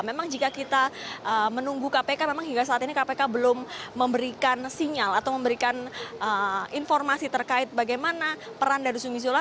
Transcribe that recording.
memang jika kita menunggu kpk memang hingga saat ini kpk belum memberikan sinyal atau memberikan informasi terkait bagaimana peran dari zumi zola